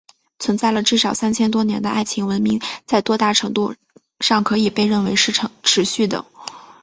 存在了至少三千多年的爱琴文明在多大程度上可以被认为是持续的？